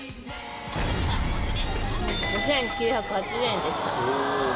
５９８０円でした。